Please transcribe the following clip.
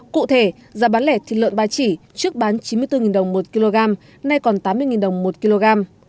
cụ thể giá bán lẻ thịt lợn ba chỉ trước bán chín mươi bốn đồng một kg nay còn tám mươi đồng một kg